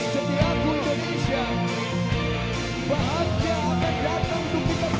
kekuasaan allah swt